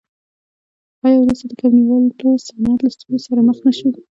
آیا وروسته د کب نیولو صنعت له ستونزو سره مخ نشو؟